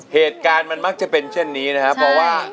เหตุการณ์มันมักจะเป็นเช่นนี้นะครับเพราะว่า